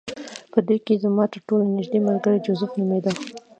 په دوی کې زما ترټولو نږدې ملګری جوزف نومېده